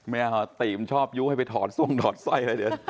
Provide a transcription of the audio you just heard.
ไม่เอาตี๋มชอบยุ้วให้ไปถอนส่วงดอดไส้อะไรเดี๋ยว